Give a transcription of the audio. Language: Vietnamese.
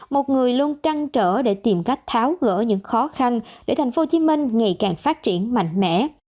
một người luôn trăng trở để tìm cách tháo gỡ những khó khăn để tp hcm ngày càng phát triển mạnh mẽ